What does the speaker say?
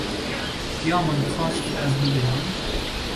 Ya min dixwest ez bibêjim.